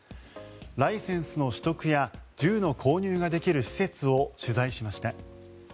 ライセンスの取得や銃の購入ができる施設を取材しました。